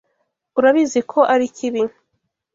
Urabizo ko arikibi.